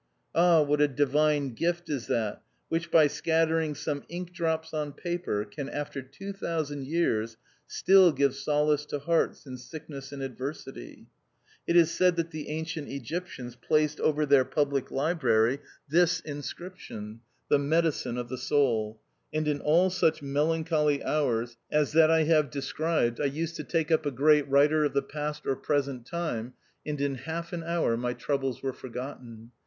Ah, what a divine gift is that which, by scattering some ink drops on paper, can, after two thousand years, still give solace to hearts in sickness and adver sity ! It is said that the ancient Egyptians placed over their public library this inscrip tion, The medicine of the soul ; and in all such melancholy hours as that I have de THE OUTCAST x6i scribed, I used to take up a great writer of the past or present time, and in half an hour my troubles were forgotten.